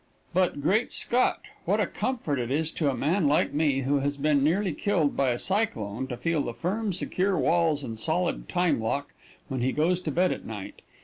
But, great Scott! what a comfort it is to a man like me, who has been nearly killed by a cyclone, to feel the firm, secure walls and solid time lock when he goes to bed at night!